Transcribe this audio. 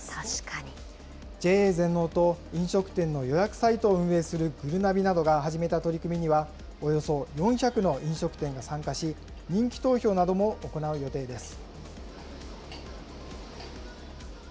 ＪＡ全農と飲食店の予約サイトを運営するぐるなびなどが始めた取り組みには、およそ４００の飲食店が参加し、人気投票なども行う予定です。